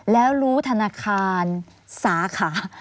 แล้วรู้ธนาคารสาขา